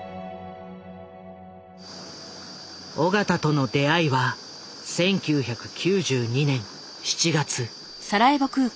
緒方との出会いは１９９２年７月。